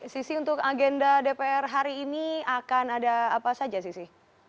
sisi untuk agenda dpr hari ini akan ada apa saja sisi